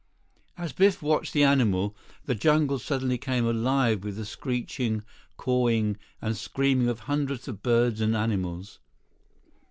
77 As Biff watched the animal, the jungle suddenly came alive with the screeching, cawing, and screaming of hundreds of birds and animals.